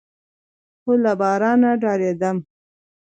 خو له بارانه ډارېدم.